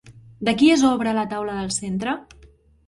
De qui és obra la taula del centre?